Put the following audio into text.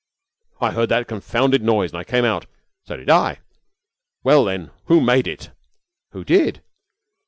"I heard that confounded noise and I came out " "So did I." "Well, then, who made it?" "Who did?"